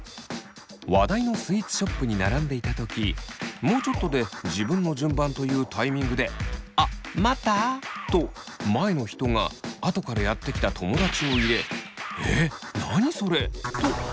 話題のスイーツショップに並んでいたときもうちょっとで自分の順番というタイミングであ「待った？」と前の人が後からやって来た友だちを入れ「えっ何それ」とイラっとした。